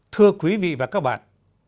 thưa quý vị và các bạn